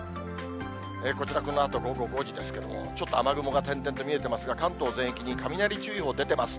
こちら、このあと午後５時ですけれども、ちょっと雨雲が点々と見えてますが、関東全域に雷注意報出てます。